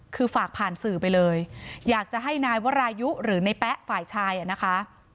คือฝากผ่านสื่อไปเลยอยากจะให้นายวรายุหรือในแป๊ะฝ่ายชายอ่ะนะคะ